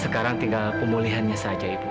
sekarang tinggal pemulihannya saja ibu